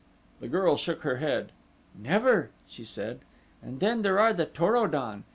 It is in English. The girl shook her head. "Never," she said, "and then there are the Tor o don.